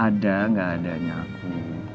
ada nggak adanya aku